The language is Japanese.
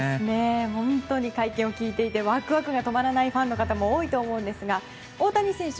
本当に会見を聞いていてワクワクが止まらないファンの方も多いと思うんですが大谷選手